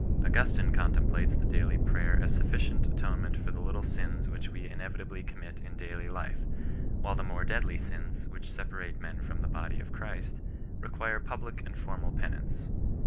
Augustin 4 contemplates the daily prayer as sufficient atonement for the little sins which we inevitably commit in daily life, while the more deadly sins, which separate men from the Body of Christ, require public and formal penance.